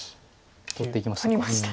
取っていきました。